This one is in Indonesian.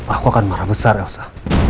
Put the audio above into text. aku akan marah besar elsa